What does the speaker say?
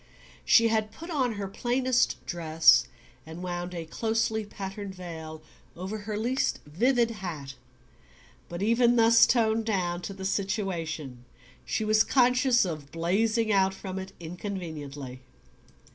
She had put on her plainest dress, and wound a closely, patterned veil over her least vivid hat; but even thus toned down to the situation she was conscious of blazing out from it inconveniently.